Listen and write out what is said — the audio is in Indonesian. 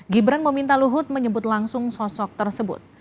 gibran meminta luhut menyebut langsung sosok tersebut